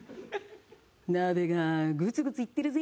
鍋がグツグツいってるぜ。